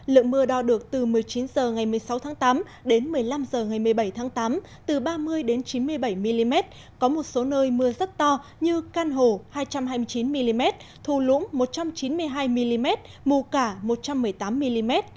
lượng mưa đo được từ một mươi chín h ngày một mươi sáu tháng tám đến một mươi năm h ngày một mươi bảy tháng tám từ ba mươi đến chín mươi bảy mm có một số nơi mưa rất to như can hồ hai trăm hai mươi chín mm thù lũng một trăm chín mươi hai mm mù cả một trăm một mươi tám mm